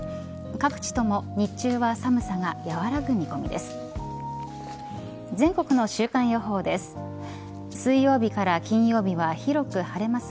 各地とも日中は寒さが和らぐ見込みです。